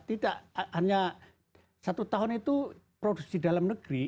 tidak hanya satu tahun itu produksi dalam negeri